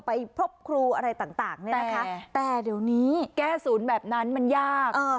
ไปพบครูอะไรต่างเนี่ยนะคะแต่เดี๋ยวนี้แก้ศูนย์แบบนั้นมันยาก